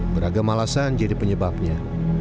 beragam alasan jadi penyebabnya